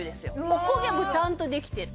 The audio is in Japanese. おこげもちゃんとできてる。